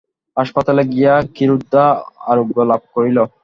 হাসপাতালে গিয়া ক্ষীরোদা আরোগ্য লাভ করিল।